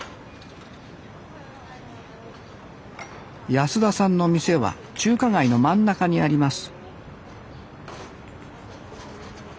安田さんの店は中華街の真ん中にあります